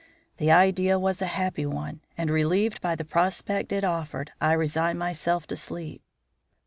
The idea was a happy one, and, relieved by the prospect it offered, I resigned myself to sleep.